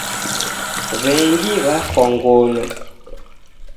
W'engi w'afwa ngolo.